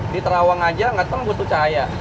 di terawang aja gak terlalu butuh cahaya